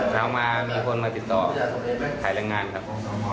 เรามีคนมาติดต่อขายรายงานครับ